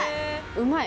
うまい。